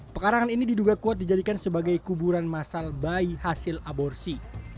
pekarangan ini diduga kuat dijadikan sebagai kuburan masal bayi hasil aborsi